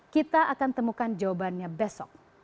kita akan temukan jawabannya besok